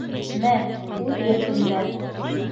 — Мә, үҙ иркеңдә